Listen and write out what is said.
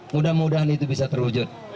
mudah mudahan itu bisa terwujud